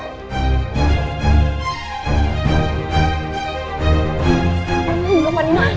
aduh panik banget